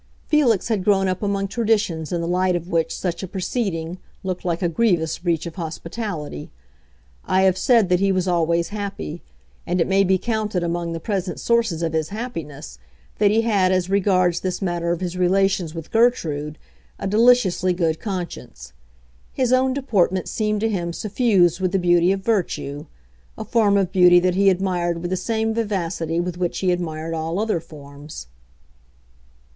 Felix had grown up among traditions in the light of which such a proceeding looked like a grievous breach of hospitality. I have said that he was always happy, and it may be counted among the present sources of his happiness that he had as regards this matter of his relations with Gertrude a deliciously good conscience. His own deportment seemed to him suffused with the beauty of virtue—a form of beauty that he admired with the same vivacity with which he admired all other forms.